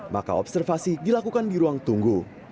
maka observasi dilakukan di ruang tunggu